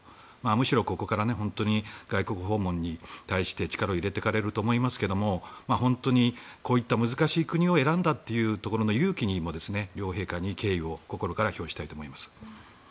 むしろ、ここから外国訪問に対して力を入れていかれると思いますが本当に、こういった難しい国を選んだというところの勇気にも両陛下に敬意を心から表したいと思います。